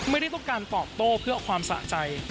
ไม่ได้ต้องการตอบโต้เพื่อความสะใจ